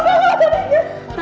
tenang ya bu ya